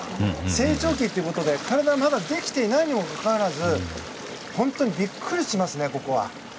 成長期ということで体がまだできていないにもかかわらず本当にびっくりしますね。